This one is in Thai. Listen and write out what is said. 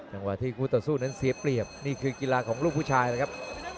จังหวะที่คู่ต่อสู้นั้นเสียเปรียบนี่คือกีฬาของลูกผู้ชายนะครับ